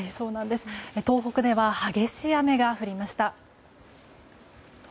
東北では激しい雨が降りました。